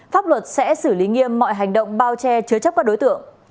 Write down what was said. pháp luật sẽ xử lý nghiêm mọi hành động bao che chứa chấp các đối tượng